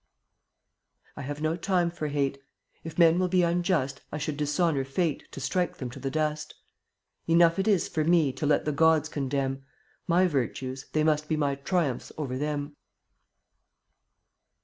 59 I have no time for hate; If men will be unjust, 1 should dishonor Fate To strike them to the dust. Enough it is for me To let the gods condemn; My virtues — they must be My triumphs over them.